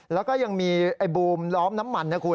แล้วก็ยังมีไอ้บูมล้อมน้ำมันนะคุณ